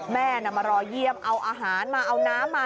แม่มารอเยี่ยมเอาอาหารมาเอาน้ำมา